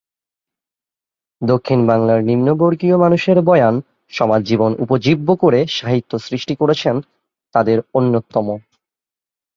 দক্ষিণ বাংলার নিম্নবর্গীয় মানুষের বয়ান, সমাজ জীবন উপজীব্য করে সাহিত্য সৃষ্টি করেছেন তাঁদের অন্যতম।